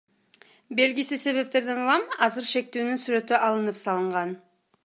Белгисиз себептерден улам азыр шектүүнүн сүрөтү алынып салынган.